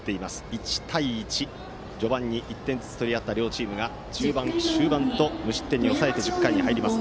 １対１、序盤に１点ずつを取り合った両チームが中盤、終盤と無失点に抑えて１０回に入ります。